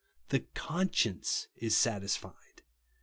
The conscience is satisfied.